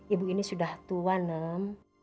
ibu ini sudah tua nem